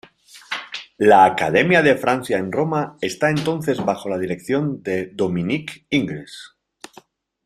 La Academia de Francia en Roma está entonces bajo la dirección de Dominique Ingres.